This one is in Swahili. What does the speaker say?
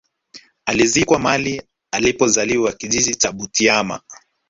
Alizikwa mahali alipo zaliwa kijiji cha Butiama